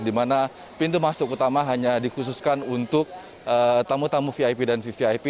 di mana pintu masuk utama hanya dikhususkan untuk tamu tamu vip dan vvip